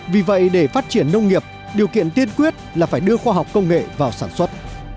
vì vậy để phát triển nông nghiệp điều kiện tiên quyết là phải đưa khoa học công nghệ vào sản xuất